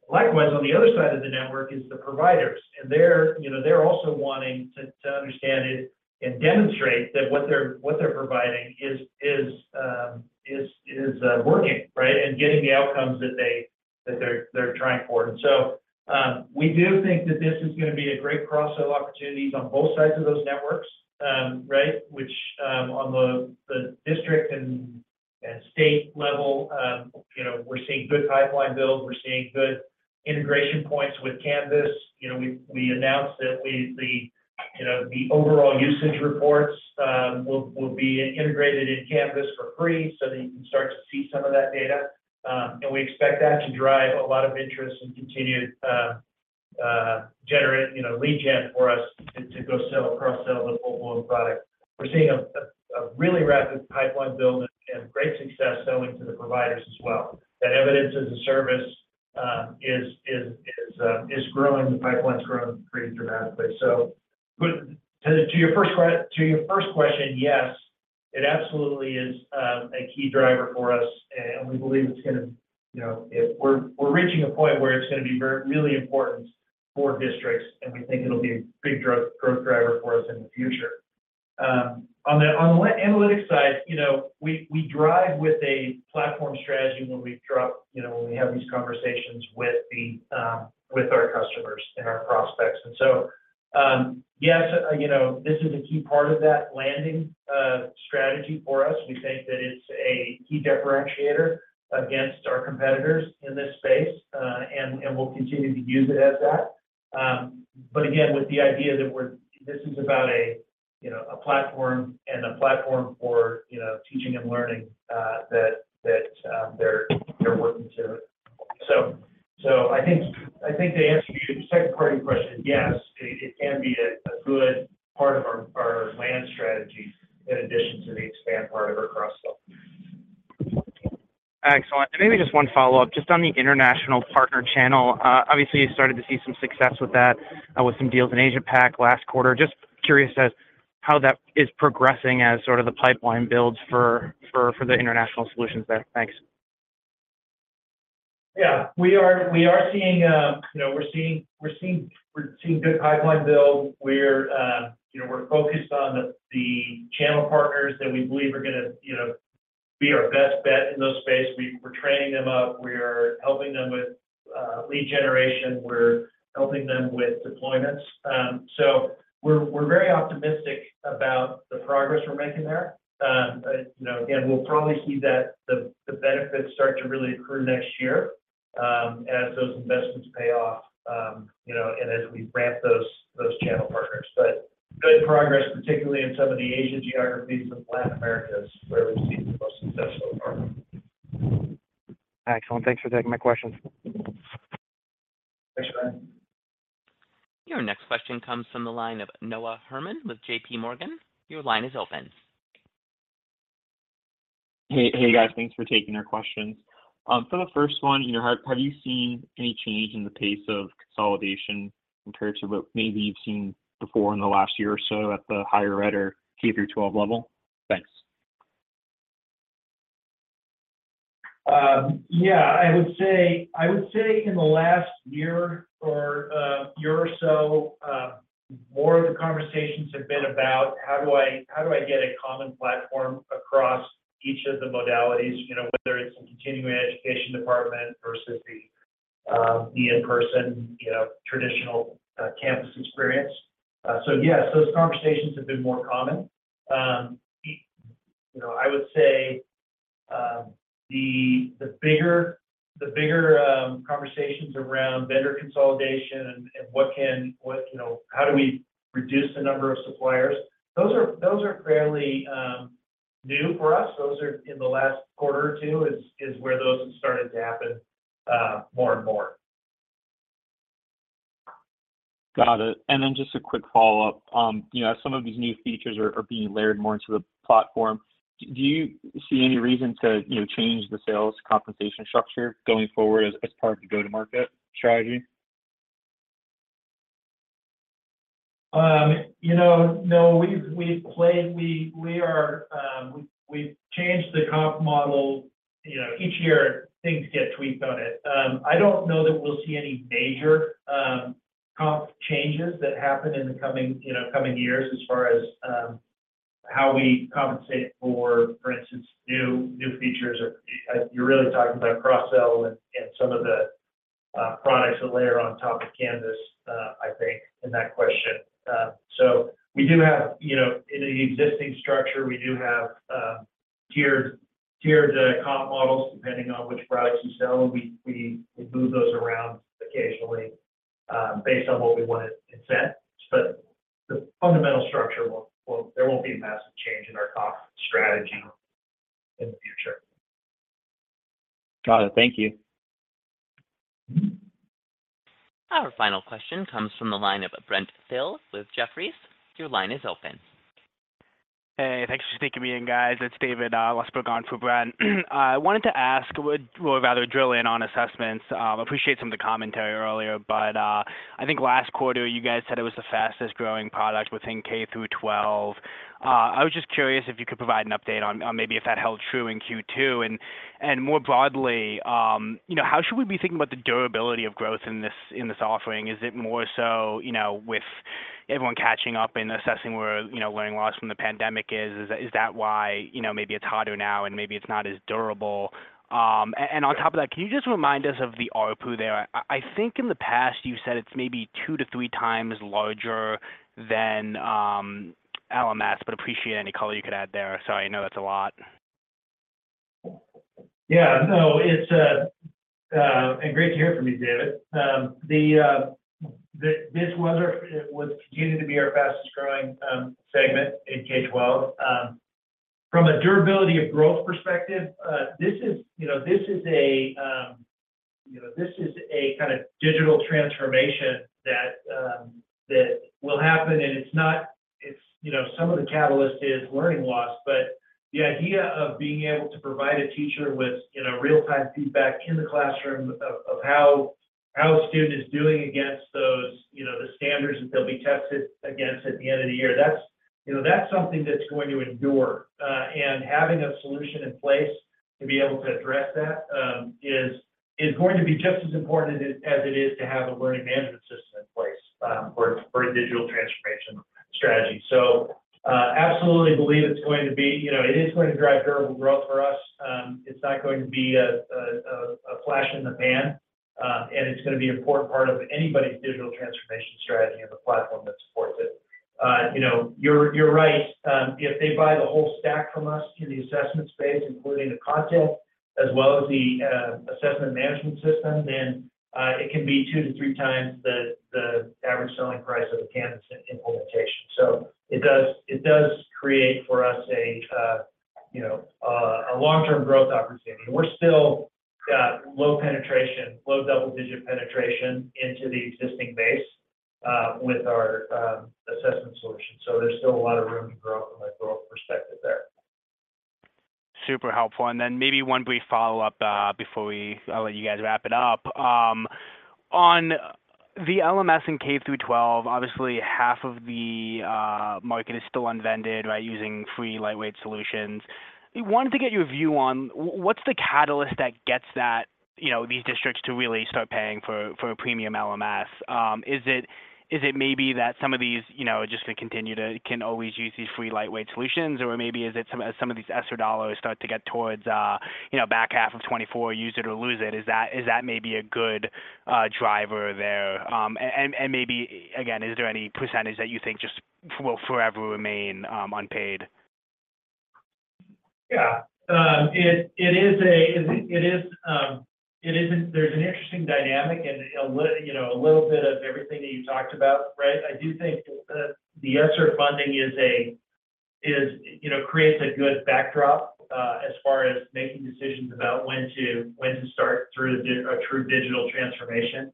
Likewise, on the other side of the network is the providers, and they're, you know, they're also wanting to, to understand it and demonstrate that what they're, what they're providing is, is working, right? Getting the outcomes that they, that they're, they're trying for. We do think that this is going to be a great cross-sell opportunities on both sides of those networks, right, which on the, the district and, and state level, you know, we're seeing good pipeline build, we're seeing good integration points with Canvas. You know, we, we announced that we, the, you know, the overall usage reports will be integrated in Canvas for free so that you can start to see some of that data. We expect that to drive a lot of interest and continued generate, you know, lead gen for us to, to go sell, cross-sell the full-blown product. We're seeing a really rapid pipeline build and great success selling to the providers as well. That Evidence-as-a-Service is growing, the pipeline's growing pretty dramatically. To your first question, yes, it absolutely is a key driver for us, and we believe it's going to. You know, we're reaching a point where it's going to be very, really important for districts, and we think it'll be a big growth driver for us in the future. On the analytics side, you know, we drive with a platform strategy when we have these conversations with our customers and our prospects. Yes, you know, this is a key part of that landing strategy for us. We think that it's a key differentiator against our competitors in this space, and we'll continue to use it as that. Again, with the idea that this is about a, you know, a platform and a platform for, you know, teaching and learning, that, that, they're, they're working to. So, so I think, I think to answer your second part of your question, yes, it, it can be a, a good part of our, our land strategy in addition to the expand part of our cross-sell. Excellent. Maybe just one follow-up, just on the international partner channel. Obviously, you started to see some success with that, with some deals in Asia Pac last quarter. Just curious as how that is progressing as sort of the pipeline builds for the international solutions there. Thanks. Yeah, we are, we are seeing, you know, we're seeing, we're seeing, we're seeing good pipeline build. We're, you know, we're focused on the channel partners that we believe are going to, you know, be our best bet in those space. We-we're training them up, we are helping them with lead generation, we're helping them with deployments. We're, we're very optimistic about the progress we're making there. You know, again, we'll probably see that the benefits start to really accrue next year, as those investments pay off, you know, and as we ramp those channel partners. Good progress, particularly in some of the Asian geographies and Latin Americas, where we've seen the most success so far. Excellent. Thanks for taking my questions. Thanks, Ryan. Your next question comes from the line of Noah Herman with J.P. Morgan. Your line is open. Hey, hey, guys. Thanks for taking our questions. For the first one, you know, have you seen any change in the pace of consolidation compared to what maybe you've seen before in the last year or so at the higher ed or K through 12 level? Thanks. Yeah, I would say, I would say in the last year or year or so, more of the conversations have been about how do I, how do I get a common platform across each of the modalities, you know, whether it's the continuing education department versus the in-person, you know, traditional campus experience? Yes, those conversations have been more common. You know, I would say, the, the bigger, the bigger conversations around vendor consolidation and what, you know, how do we reduce the number of suppliers? Those are, those are fairly new for us. Those are in the last quarter or two is, is where those have started to happen more and more. Got it. Then just a quick follow-up. You know, as some of these new features are, are being layered more into the platform, do, do you see any reason to, you know, change the sales compensation structure going forward as, as part of the go-to-market strategy? You know, no, we've changed the comp model. You know, each year, things get tweaked on it. I don't know that we'll see any major comp changes that happen in the coming, you know, coming years as far as how we compensate for, for instance, new, new features or you're really talking about cross-sell and, and some of the products that layer on top of Canvas, I think, in that question. So we do have, you know, in the existing structure, we do have tiered, tiered comp models, depending on which products you sell. We, we, we move those around occasionally based on what we want to incent, but the fundamental structure, there won't be a massive change in our comp strategy in the future. Got it. Thank you. Our final question comes from the line of Brent Thill with Jefferies. Your line is open. Hey, thanks for taking me in, guys. It's David Lesperance for Brent. I wanted to ask, or rather, drill in on assessments. Appreciate some of the commentary earlier, but I think last quarter, you guys said it was the fastest growing product within K-12. I was just curious if you could provide an update on, on maybe if that held true in Q2. More broadly, you know, how should we be thinking about the durability of growth in this, in this offering? Is it more so, you know, everyone catching up and assessing where, you know, learning loss from the pandemic is. Is that, is that why, you know, maybe it's harder now, and maybe it's not as durable? On top of that, can you just remind us of the ARPU there? I, I think in the past you said it's maybe two to three times larger than LMS, but appreciate any color you could add there. Sorry, I know that's a lot. Yeah. No, it's, and great to hear from you, David. The, the, this weather, it was continuing to be our fastest growing, segment in K-12. From a durability of growth perspective, this is, you know, this is a, you know, this is a kind of digital transformation that, that will happen, and it's not- it's, you know, some of the catalyst is learning loss, but the idea of being able to provide a teacher with, you know, real-time feedback in the classroom of, of how, how a student is doing against those, you know, the standards that they'll be tested against at the end of the year, that's, you know, that's something that's going to endure. Having a solution in place to be able to address that, is, is going to be just as important as, as it is to have a learning management system in place, for, for a digital transformation strategy. Absolutely believe it's going to be, you know, it is going to drive durable growth for us. It's not going to be a, a, a, a flash in the pan, and it's gonna be an important part of anybody's digital transformation strategy and the platform that supports it. You know, you're, you're right. If they buy the whole stack from us in the assessment space, including the content as well as the Assessment Management System, then, it can be two to three times the, the average selling price of a Canvas implementation. It does, it does create for us a, you know, a long-term growth opportunity. We're still, low penetration, low double-digit penetration into the existing base, with our assessment solution. There's still a lot of room to grow from a growth perspective there. Super helpful. Maybe one brief follow-up, before we- I'll let you guys wrap it up. On the LMS in K-12, obviously 50% of the market is still unvended, right? Using free lightweight solutions. I wanted to get your view on what's the catalyst that gets that, you know, these districts to really start paying for, for a premium LMS. Is it, is it maybe that some of these, you know, are just gonna continue to, can always use these free lightweight solutions, or maybe is it some, as some of these ESSER dollars start to get towards, you know, back half of 2024, use it or lose it? Is that, is that maybe a good driver there? And, and, and maybe again, is there any percentage that you think just will forever remain unpaid? Yeah. There's an interesting dynamic and a lit, you know, a little bit of everything that you talked about, right? I do think the ESSER funding is, you know, creates a good backdrop as far as making decisions about when to, when to start through a true digital transformation.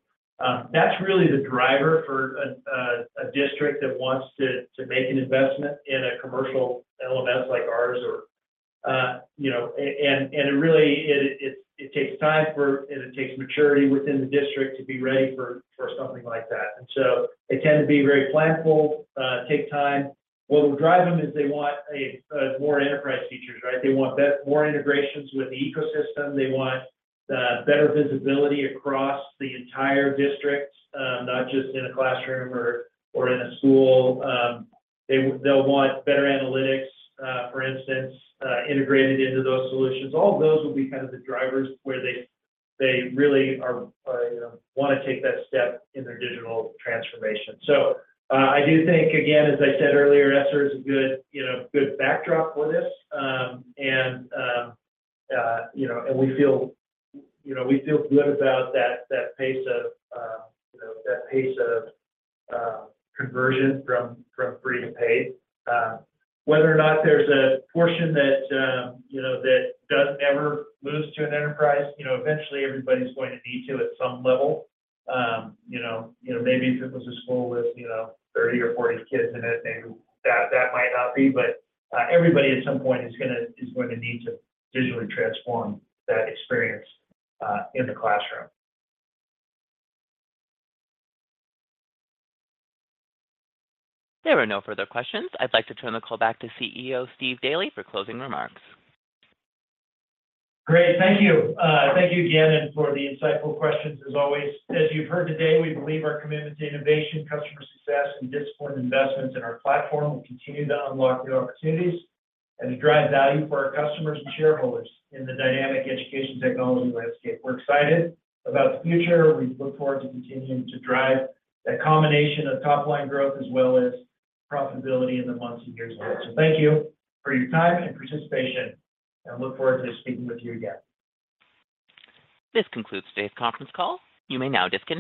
That's really the driver for a district that wants to make an investment in a commercial LMS like ours, or, you know, it really takes time for, and it takes maturity within the district to be ready for something like that. So they tend to be very planful, take time. What will drive them is they want a more enterprise features, right? They want more integrations with the ecosystem. They want better visibility across the entire district, not just in a classroom or, or in a school. They'll want better analytics, for instance, integrated into those solutions. All of those will be kind of the drivers where they, they really are, you know, wanna take that step in their digital transformation. I do think, again, as I said earlier, ESSER is a good, you know, good backdrop for this. And, you know, and we feel, you know, we feel good about that, that pace of, you know, that pace of conversion from, from free to paid. Whether or not there's a portion that, you know, that does ever moves to an enterprise, you know, eventually everybody's going to need to at some level. You know, you know, maybe if it was a school with, you know, 30 or 40 kids in it, maybe that, that might not be, but, everybody at some point is gonna, is going to need to digitally transform that experience, in the classroom. There are no further questions. I'd like to turn the call back to CEO Steve Daly for closing remarks. Great. Thank you. Thank you again, and for the insightful questions as always. As you've heard today, we believe our commitment to innovation, customer success, and disciplined investments in our platform will continue to unlock new opportunities and to drive value for our customers and shareholders in the dynamic education technology landscape. We're excited about the future. We look forward to continuing to drive that combination of top-line growth, as well as profitability in the months and years ahead. Thank you for your time and participation, and I look forward to speaking with you again. This concludes today's conference call. You may now disconnect.